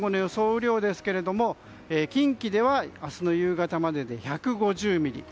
雨量ですが近畿では明日の夕方までで１５０ミリ。